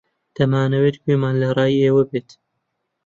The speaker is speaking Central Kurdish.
دەمانەوێت گوێمان لە ڕای ئێوە بێت.